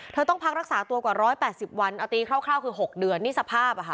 ต้องพักรักษาตัวกว่า๑๘๐วันเอาตีคร่าวคือ๖เดือนนี่สภาพ